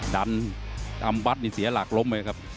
ดันที่เอินลำบัดเสียหรอกล้มเลยครับ